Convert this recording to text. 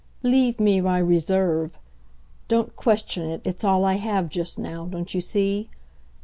"Leave me my reserve; don't question it it's all I have, just now, don't you see?